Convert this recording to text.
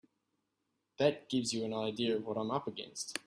That gives you an idea of what I'm up against.